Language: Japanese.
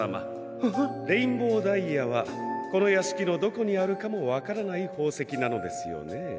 レインボーダイヤはこのやしきのどこにあるかもわからないほうせきなのですよねえ？